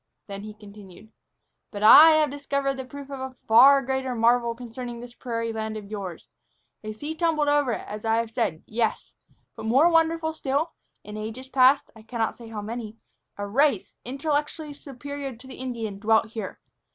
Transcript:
Then he continued. "But I have discovered the proof of a far greater marvel concerning this prairie land of yours. A sea tumbled over it, as I have said; yes, but, more wonderful still, in ages past I cannot say how many a race, intellectually superior to the Indian, dwelt here.